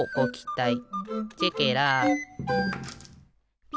チェケラ。